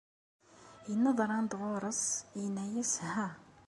Yenneḍran-d ɣer-s, yenna-as Ha!.